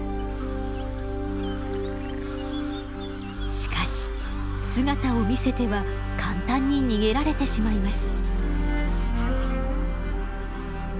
しかし姿を見せては簡単に逃げられてしまいます。